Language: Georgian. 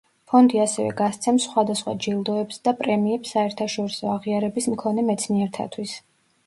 ფონდი ასევე გასცემს სხვადასხვა ჯილდოებს და პრემიებს საერთაშორისო აღიარების მქონე მეცნიერთათვის.